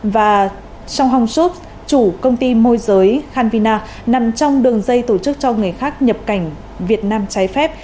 và chủ công ty môi giới hanvina nằm trong đường dây tổ chức cho người khác nhập cảnh việt nam trái phép